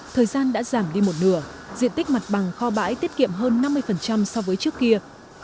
thời gian đã giảm đi một nửa diện tích mặt bằng kho bãi tiết kiệm hơn năm mươi so với trước kia